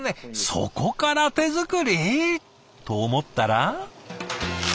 そこから手作り！？と思ったら。